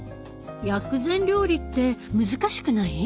薬膳料理って難しくない？